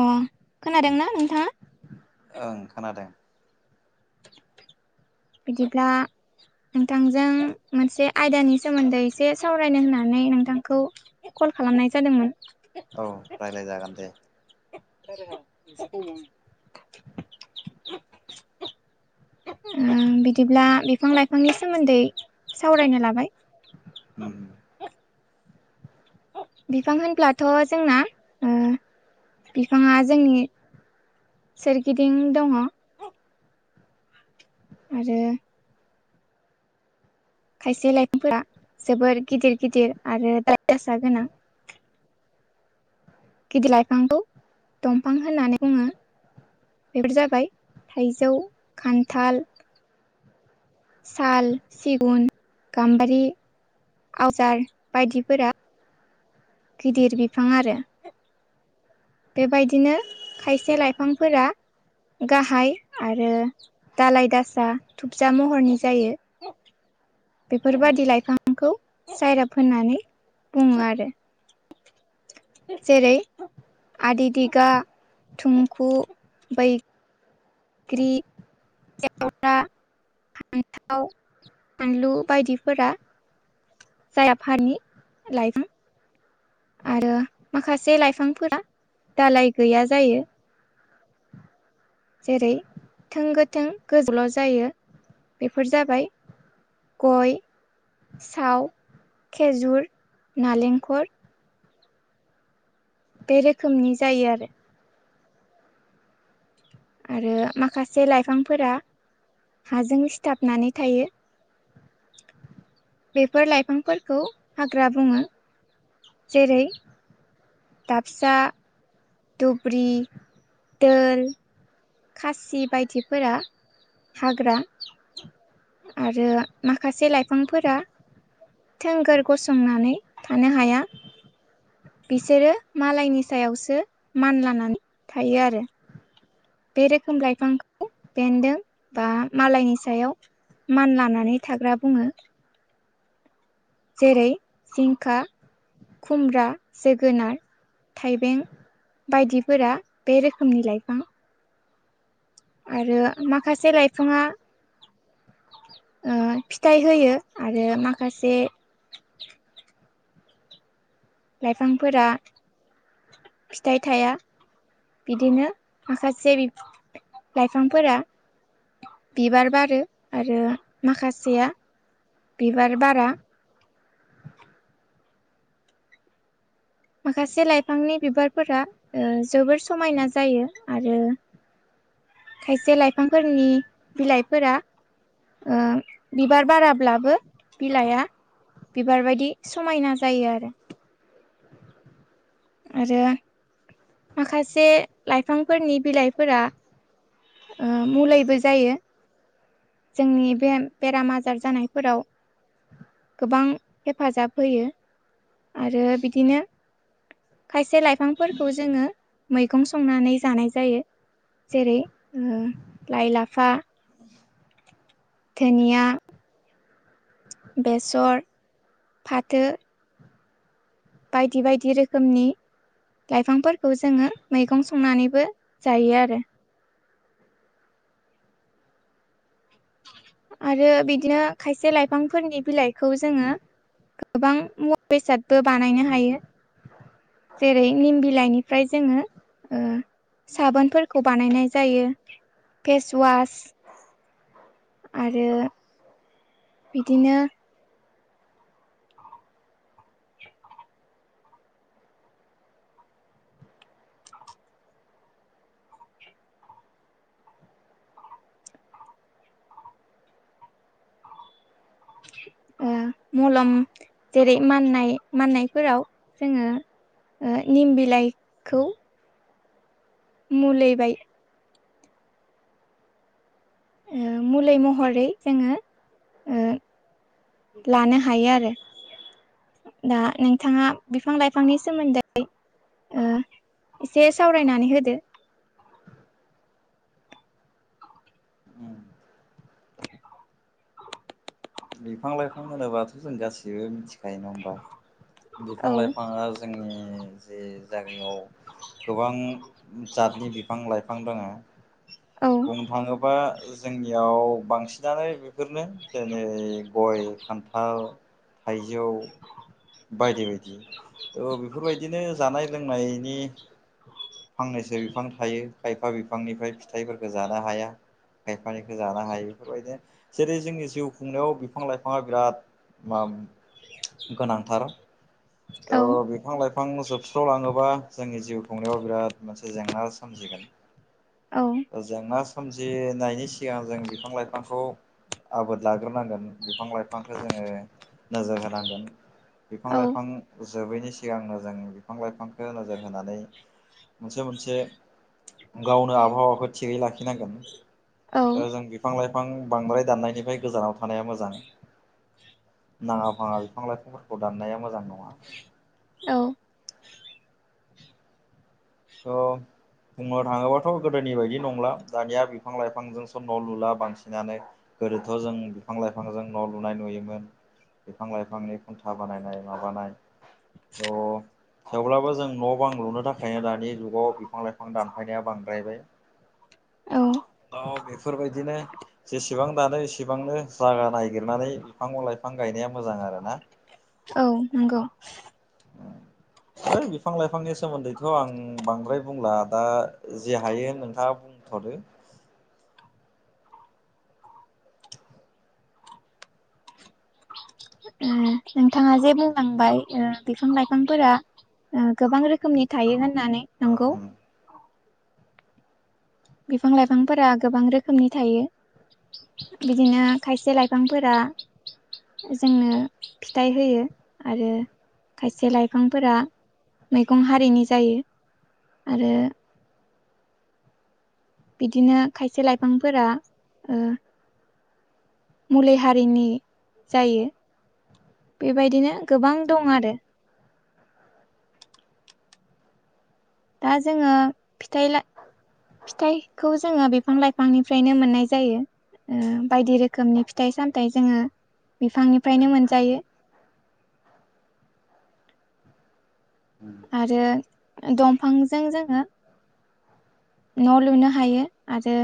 ओम खोनादोंना नोंथाङा ओं खोनादों बिदिब्ला नोंथांजों मोनसे आयदानि सोमोन्दै एसे सावरायनो होननानै नोंथांखौ कल खालामनाय जादोंमोन। औ राय्लाय जागोन दे [unintelligible] बिदिब्ला बिफां लाइफांनि सोमोन्दै सावरायनो लाबाय ओम बिफां होनब्लाथ जोंना ओ बिफाङा जोंनि सोरगिदिं दङ। आरो खायसे लाइफांफोरा जोबोर गिदिर गिदिर आरो दालाय दसा गोनां। गिदिर लाइफांखौ दंफां होननानै बुङो। बेफोर जाबाय थाइजौ खान्थाल साल सिगुन गाम्बारि आवजार बायदिफोरा गिदिर बिफां आरो बेबायदिनो खायसे लाइफांफोरा गाहाय आरो दालाय दासा थुुबजा महरनि जायो। [inaudible] बेफोरबादि लाइफांखौ सायराब होननानै बुङो आरो जेरै आदि दिगा थुमखु बै ग्रि जाव्रा [unintelligible] फान्थाव फानलु बायदिफोरा जाया आफारनि लाइफां आरो माखासे लाइफांफोरा दालाय गैया जायो। जेरै थों गोथों गोजोल जायो बेफोर जाबाय। गय साव खेजुर नालेंखर बे रोखोमनि जायो आरो आरो माखासे लाइफांफोरा हाजों सिथाबनानै थायो। बेफोर लाइफांफोरखौ हाग्रा बुङो। जेरै दाफसा धुब्रि दोल खासि बायदिफोरा हाग्रा आरो माखासे लाइफांफोरा थोंगोर गसंनानै थानो हाया। बिसोरो मालायनि सायावसो मान लानानै थायो आरो बे रोखोम लाइफांखौ बेन्दों बा मालायनि सायाव मान लानानै थाग्रा बुङो। जेरै सिंखा खुमब्रा जोगोनार थाइबें बायदिफोरा बे रोखोमनि लाइफां आरो माखासे लाइफाङा फिथाइ होयो आरो माखासे लाइफांफोरा फिथाइ थाया? बिदिनो माखासे बि लाइफांफोरा बिबार बारो आरो माखासेया बिबार बारा माखासे लाइफांनि बिबारफोरा ओ जोबोर समायना जायो आरो खायसे लाइफांफोरनि बिलाइफोरा ओ बिबार बाराब्लाबो बिलाइआ बिबार बायदि समायना जायो आरो। आरो माखासे लाइफांफोरनि बिलाइफोरा ओ मुलायबो जायो। जोंनि बे बेराम आजार जानायफोराव गोबां हेफाजाब होयो आरो बिदिनो खायसे लाइफांफोरखौ जोङो मैगं संनानै जानाय जायो। जेरै ओ लाइ लाफा‌ दोनिया बेसर फाथो बायदि बायदि रोखोमनि लाइफांफोरखौ जोङो मैगं संनानैबो जायो आरो। आरो बिदिनो खायसे लाइफांफोरनि बिलाइखौ जोङो गोबां मुवा बेसादबो बानायनो हायो। जेरै निम बिलाइनिफ्राय जोङो ओ साबोनफोरखौ बानायनाय जायो फेसवास आरो बिदिनो [inaudible] ओ मलम जेरै माननाय माननायफोराव जोंङो ओ निम बिलाइखौ मुलैबाय ओ मुलै महरै जोङो ओ लान हायो आरो। दा नोंथाङा बिफां लाइफांनि सोमोन्दै ओ एसे सावरायनानै होदो उम बिफां लाइफां होनोबाथ' जों गाससिबो मिथिखायो नङा होमबा? बिफां औ लाइफाङा जोंनि जे जायगायाव गोबां जातनि बिफां लाइफां दङो औ बुंनो थाङोबा जोंनियाव बांसिनानो बेफोरनो जेरै गय खान्थाल थाइजौ बायदि बायदि थ' बेफोरबायदिनो जानाय लोंनायनि फांनैसो बिफां थायो खायफा बिफांनिफ्राय फिथाइफोरफोरखौ जानो हाया। खायफानिखौ जानो हायो बेफोरबायदिनो जेरै जोंनि जिउ खुंनायाव बिफां लाइफाङा बिराद [unintelligible] गोनांथार औ थ' बिफां लाइफां फां जोबस्रावलाङोबा जोंनि जिउ खुंनायाव बिराद मोनसे जेंना सोमजिगोन औ जेंना सोमजिनायनि सिगां जों बिफां लाइफांखौ आबाद लाग्रोनांगोन बिफां लाइफांखौ जोङो नोजोर होनांगोन बिफां औ लाइफां जोबैनि सिगांनो जों बिफां लाइफांखौ नोजोर होनानै मोनसे मोनसे गाव आबहावाखौ थिगै लाखि नांगोन औ ओ जों बिफां लाइफां फां बांद्राय दाननायनिफ्राय गोजानाव थानाया मोजां। नाङा फाङा बिफां लाइफांफोरखौ दान्नाया मोजां नङा औ औ बुंनो थाङोबाथ' गोदोनि बायदि नंला दानिया बिफां लाइफांजोंसो न' लुला बांसिनानो गोदोथ' जों बिफां लाइफांजों न' लुनाय नुयोमोन बिफां लाइफांनि खुन्था बानायनाय माबानाय अ खब्लाबो जों न' बां लुनो थाखायनो दा नि जुगाव बिफां लाइफां दानफायनाया बांद्रायबाय औ त' बेफोरबायदिनो जेसेबां दानो एसेबांनो जागा नायगिरनानै बिफांं लाइफां गायनाया मोजां आरो ना औ नंगौ बै बिफां लाइफांनि सोमोन्दैथ' आं बांद्राय बुंला दा जि हायो नोंथाङा बुं थादो [unintelligible] [unintelligible] नोंथाङा जे बुंलांबाय ओ बिफां लाइफांफोरा ओ गोबां रोखोमनि थायो होन नानै नंगौ बिफां लाइफांफोरा गोबां रोखोमनि थायो बिदिनो खायसे लाइफांफोरा जोंनो फिथाइ होयो आरो खायसे लाइफांफोरा मैगं हारिनि जायो आरो बिदिनो खायसे लाइफांफोरा ओ मुलै हारिनि जायो बेबायदिनो गोबां दं आरो दा जोङो फिथाइला फिथाइखौ जोङो बिफां लाइफांनिफ्रायनो मोननाय जायो ओ बायदि रोखोमनि फिथाइ सामथाइ जोङो बिफांनिफ्रायनो मोनजायो [inaudible] आरो दंफांजों जोङो न' लुनो हायो आरो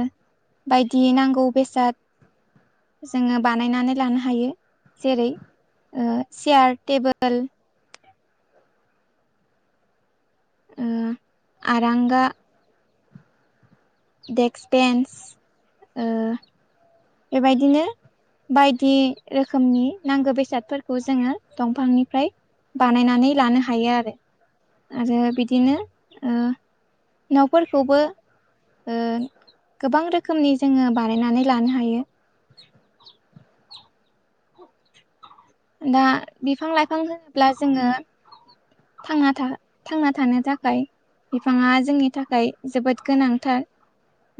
बायदि नांगौ बेसाद जोङो बानायनानै लानो हायो जेरै ओ चेयार टेबोल ओ आरांगा डेक्स बेन्स ओ बेबायदिनो बायदि रोखोमनि नांगौ बेसादफोरखौ जोङो दंफांनिफ्राय बानायनानै लानो हायो आरो आरो बिदिनो ओ न'फोरखौबो ओ गोबां रोखोमनि जोङो बानायनानै लानो हायो [unintelligible] दा बिफां लाइफां होनोब्ला जोङो थांनाथा थांना थानो थाखाय बिफाङा जोंनि थाखाय जोबोद गोनांथार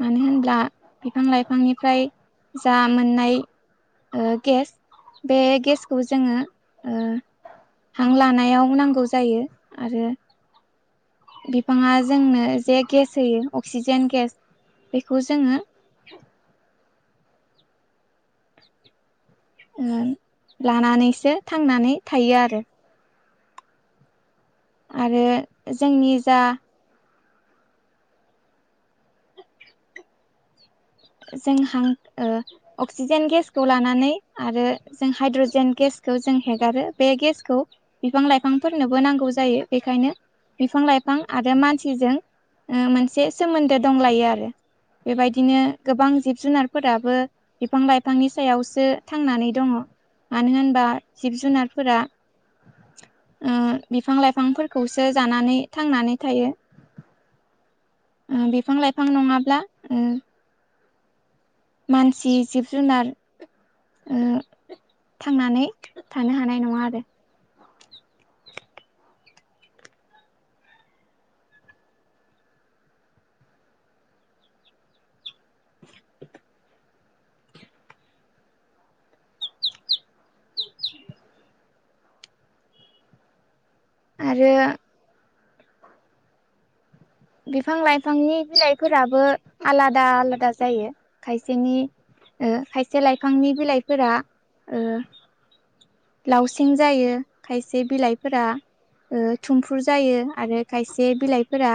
मानो होनब्ला बिफां लाइफांनिफ्राय जा मोननाय ओ गेस बे गेसखौ जोङो ओ हां लानायाव नांगौ जायो आरो बिफाङा जोंनो जे गेस होयो अक्सिजेन गेस बेखौ जोङो [unintelligible] ओ लानानैसो थांनानै थायो आरो आरो जोंनि जा जों हां ओ अक्सिजेन गेसखौ लानानै आरो जों हाइड्रजेन गेस खौ जों हेगारो बे गेसखौ बिफां लाइफांफोरनोबो नांगौ जायो बेखायनो बिफां लाइफां आरो मानसिजों ओ मोनसे सोमोन्दो दंलायो आरो बेबायदिनो गोबां जिब जुनारफोराबो बिफां लाइफांनि सायावसो थांनानै दङ मानो होनबा जिब जुनारफोरा ओ बिफां लाइफांफोरखौसो जानानै थांनानै थायो उम बिफां लाइफां नङाब्ला उम मानसि जिब जुनार ओ थांनानै थानो हानाय नङा आरो [inaudible] [inaudible] आरो बिफां लाइफांनि बिलाइफोराबो आलादा आलादा जायो खायसेनि ओ खायसे लाइफांनि बिलाइफोरा ओ लावसिं जायो खायसे बिलाइफोरा ओ थुमफुर जायो आरो खायसे बिलाइफोरा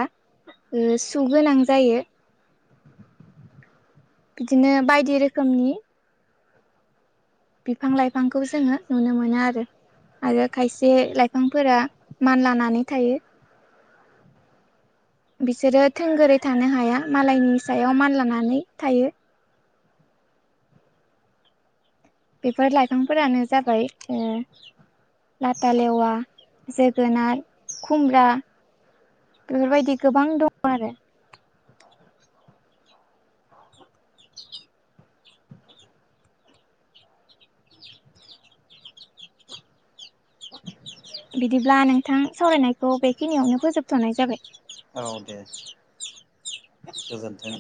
ओ सुगोनां जायो बिदिनो बायदि रोखोमनि बिफां लाइफांखौ जोङो नुनो मोनो आरो आरो खायसे लाइफांफोरा मान लानानै थायो [inaudible] बिसोरो थोंगोरै थानो हाया मालायनि सायाव मानलानानै थायो बेफोर लाइफांफोरानो जाबाय ओ लाथालेवा, जोगोनार, खुमब्रा बेफोरबायदि गोबां दं आरो बिदिब्ला नोंथां सावरायनायखौ बेखिनियावनो फोजोबथ'नाय जाबाय। औ दे गोजोन्थों